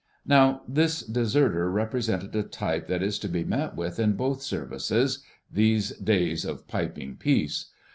Now this deserter represented a type that is to be met with in both Services, these days of "piping peace."